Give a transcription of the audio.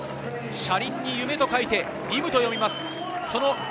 車輪に夢と書いて輪夢と読みます。